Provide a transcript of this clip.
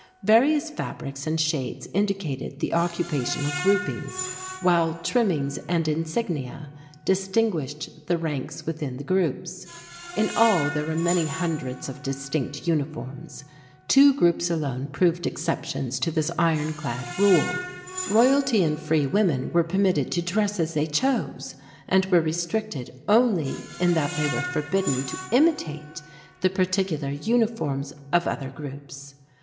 Various fabrics and shades indicated the occupational grouping while trimmings and insignia distinguished the ranks within the groups. In all there were many hundreds of distinct uniforms. Two groups alone proved exceptions to this iron clad rule; Royalty and free women were permitted to dress as they chose and were restricted only in that they were forbidden to imitate the particular uniforms of other groups.